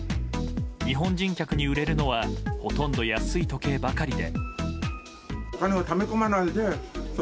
日本人客に売れるのはほとんど安い時計ばかりで。